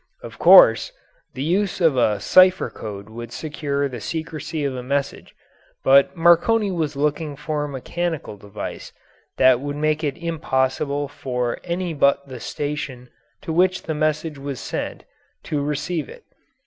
Of course, the use of a cipher code would secure the secrecy of a message, but Marconi was looking for a mechanical device that would make it impossible for any but the station to which the message was sent to receive it.